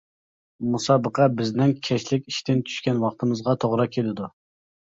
مۇسابىقە بىزنىڭ كەچلىك ئىشتىن چۈشكەن ۋاقتىمىزغا توغرا كېلىدۇ.